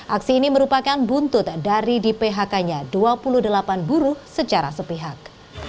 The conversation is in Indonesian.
aksi ini merupakan buntut dari di phk nya dua puluh delapan buruh secara sepihak